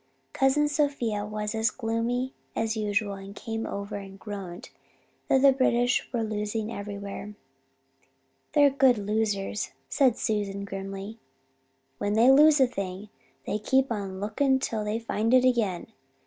Cousin Sophia was as gloomy as usual and came over and groaned that the British were losing everywhere. "'They're good losers,' said Susan grimly. 'When they lose a thing they keep on looking till they find it again!